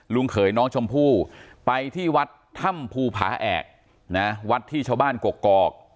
เขยน้องชมพู่ไปที่วัดถ้ำภูผาแอกนะวัดที่ชาวบ้านกกอก